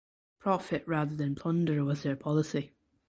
Profit rather than plunder was their policy.